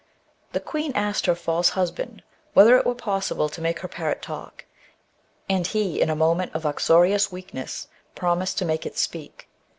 The queen asked her false husband whether it were possible to make her parrot talk, and he in a moment of uxorious weakness promised to make it speak.